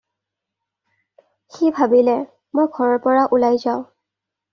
সি ভাবিলে, "মই ঘৰৰ পৰা ওলাই যাওঁ।"